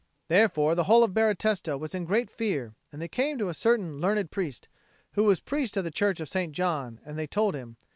Therefore the whole of Baratesta was in great fear; and they came to a certain learned priest, who was priest of the church of St. John, and told him.